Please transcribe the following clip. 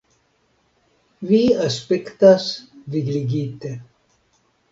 Vi aspektas vigligite.